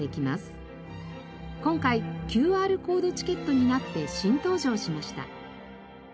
今回ＱＲコードチケットになって新登場しました。